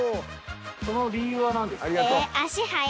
その理由は何ですか？